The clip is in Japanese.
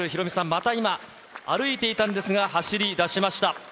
また今、歩いていたんですが、走りだしました。